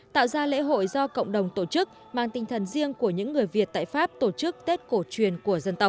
tạo ra lễ hội do cộng đồng tổ chức mang tinh thần riêng của những người việt tại pháp tổ chức tết cổ truyền của dân tộc